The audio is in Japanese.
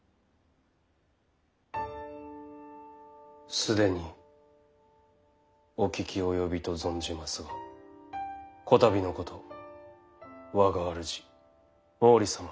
既にお聞き及びと存じますがこたびのこと我が主毛利様上杉。